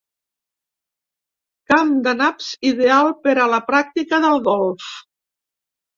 Camp de naps ideal per a la pràctica del golf.